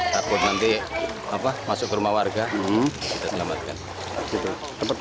takut nanti masuk ke rumah warga kita selamatkan